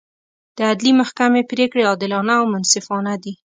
د عدلي محکمې پرېکړې عادلانه او منصفانه دي.